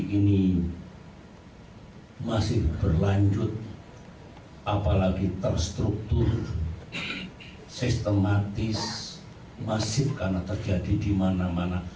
ini masih berlanjut apalagi terstruktur sistematis masif karena terjadi di mana mana